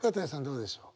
どうでしょう？